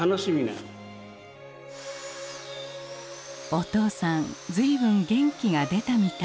「おとうさん随分元気が出たみたい」。